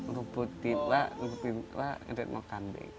rumput dipak rumput dipak dan mau kambing